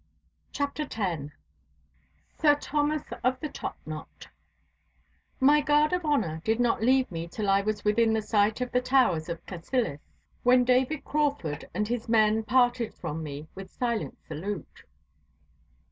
*CHAPTER X* *SIR THOMAS OF THE TOP KNOT* My guard of honour did not leave me till I was within sight of the towers of Cassillis, when David Crauford and his men parted from me with silent salute.